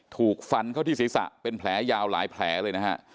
ถูกฟันเข้าที่ศีรษะเป็นแผลยาวหลายแผลเลยนะฮะ